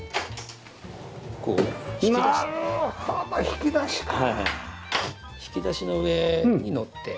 引き出しの上にのって。